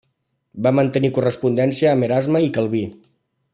Va mantenir correspondència amb Erasme i Calví.